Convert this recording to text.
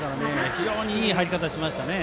非常にいい入り方をしましたね。